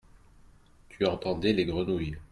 Tu entendais les grenouilles.